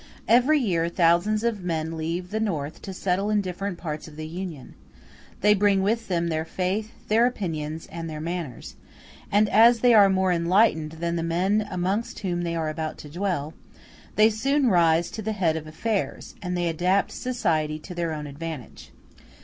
Every year, thousands of men leave the North to settle in different parts of the Union: they bring with them their faith, their opinions, and their manners; and as they are more enlighthned than the men amongst whom they are about to dwell, they soon rise to the head of affairs, and they adapt society to their own advantage.